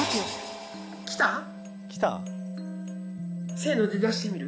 「せの」で出してみる？